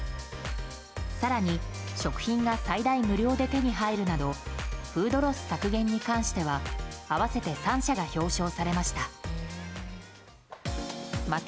更に、食品が最大無料で手に入るなどフードロス削減に関しては合わせて３社が表彰されました。